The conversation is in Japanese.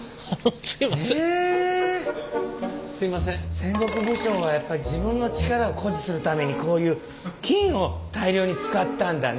戦国武将はやっぱ自分の力を誇示するためにこういう金を大量に使ったんだね。